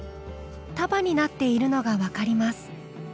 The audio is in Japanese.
束になっているのが分かります。